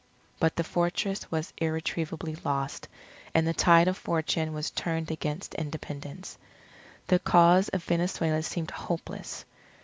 But the fortress was irretrievably lost, and the tide of Fortune was turned against Independence. The cause of Venezuela seemed hopeless.